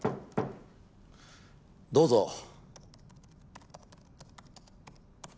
どうぞ。